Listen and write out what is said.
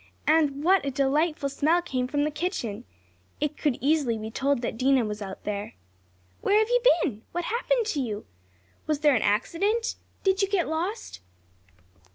And what a delightful smell came from the kitchen! It could easily be told that Dinah was out there. "Where have you been?" "What happened to you?" "Was there an accident?" "Did you get lost?"